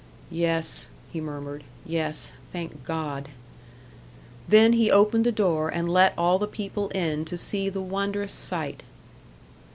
"Yes," he murmured; "yes, thank God." Then he opened the door, and let all the people in to see the wondrous sight.